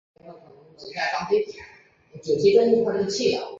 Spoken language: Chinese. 托里县是新疆维吾尔自治区塔城地区下辖的一个县。